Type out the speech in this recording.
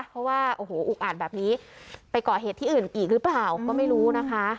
เพราะว่าโอ้โหอุกอ่านแบบนี้ไปก่อเหตุที่อื่นอีกหรือเปล่าก็ไม่รู้นะคะ